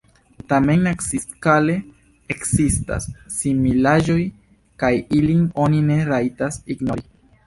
Tamen naciskale ekzistas similaĵoj, kaj ilin oni ne rajtas ignori.